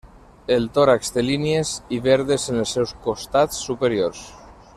El tòrax té línies i verdes en els seus costats superiors.